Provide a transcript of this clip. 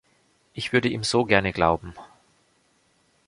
Ich würde ihm so gerne glauben.